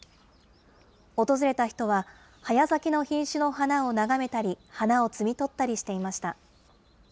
訪れた人は、早咲きの品種の花を眺めたり、花を摘み取ったりしていました。